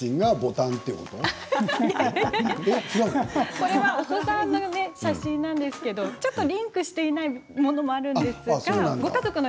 これはお子さんの写真なんですけどちょっとリンクしてないものもあるんです。